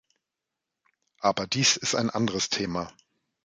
Aber dies ist ein anderes Thema.